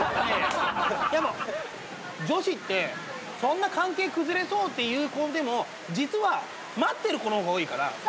でも女子ってそんな「関係崩れそう」って言う子でも実は待ってる子の方が多いから。